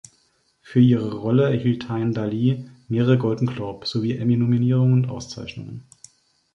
Für ihre Rolle erhielt Tyne Daly mehrere Golden-Globe- sowie Emmy-Nominierungen und -Auszeichnungen.